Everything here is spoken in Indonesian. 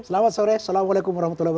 selamat sore assalamualaikum wr wb